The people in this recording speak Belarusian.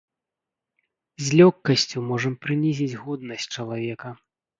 З лёгкасцю можам прынізіць годнасць чалавека.